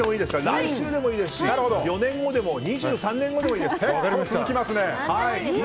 来週でもいいですし４年後でも２３年後でもいいです。